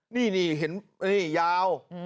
นี่ยาว